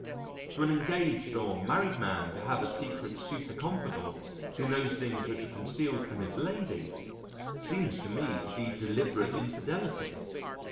For an engaged or married man to have a secret super confidante who knows things which are concealed from his lady seems to me to be deliberate infidelity.